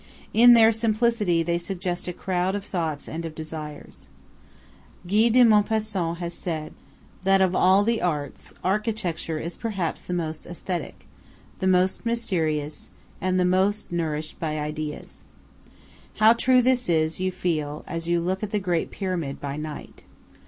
In their simplicity they suggest a crowd of thoughts and of desires. Guy de Maupassant has said that of all the arts architecture is perhaps the most aesthetic, the most mysterious, and the most nourished by ideas. How true this is you feel as you look at the Great Pyramid by night.